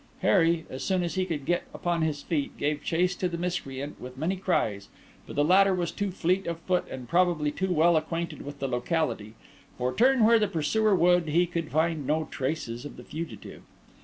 Harry, as soon as he could get upon his feet, gave chase to the miscreant with many cries, but the latter was too fleet of foot, and probably too well acquainted with the locality; for turn where the pursuer would he could find no traces of the fugitive.